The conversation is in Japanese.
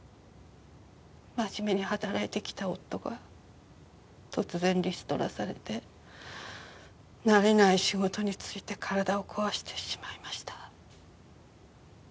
真面目に働いてきた夫が突然リストラされて慣れない仕事に就いて体を壊してしまいました。